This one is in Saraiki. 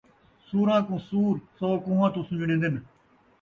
سوراں کوں سّور کوہاں توں سن٘ڄݨین٘دن